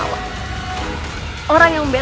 aku disuruh kagetan baik baik